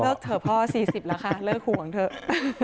เถอะพ่อ๔๐แล้วค่ะเลิกห่วงเถอะ